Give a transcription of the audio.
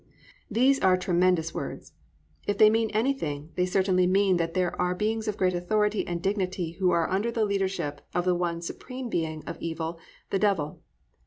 "+ These are tremendous words. If they mean anything, they certainly mean that there are beings of great authority and dignity who are under the leadership of the one supreme being of evil, the Devil.